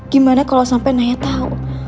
gimana kalau sampai naya tau